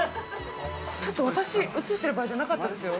◆ちょっと、私、映してる場合じゃなかったですよ。